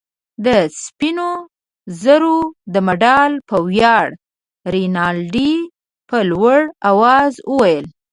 د سپینو زرو د مډال په ویاړ. رینالډي په لوړ آواز وویل.